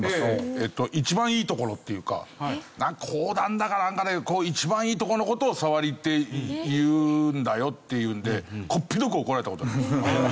えっと一番いいところっていうか講談だかなんかで一番いいとこの事を「さわり」って言うんだよっていうのでこっぴどく怒られた事があります。